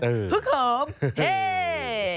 เพราะความเฮ่ย